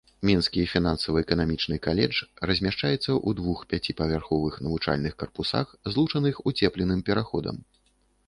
Мінскі фінансава-эканамічны каледж размяшчаецца ў двух пяціпавярховых навучальных карпусах, злучаных уцепленым пераходам.